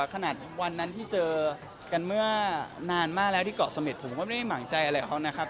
ขนาดวันนั้นที่เจอกันเมื่อนานมากแล้วที่เกาะเสม็ดผมก็ไม่ได้หมางใจอะไรกับเขานะครับ